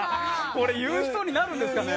俺言う人になるんですかね？